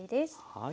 はい。